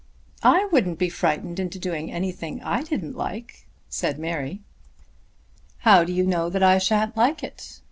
"I wouldn't be frightened into doing anything I didn't like," said Mary. "How do you know that I shan't like it?